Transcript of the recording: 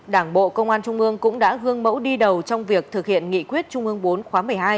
đảng bộ công an trung ương cũng đã gương mẫu đi đầu trong việc thực hiện nghị quyết trung ương bốn khóa một mươi hai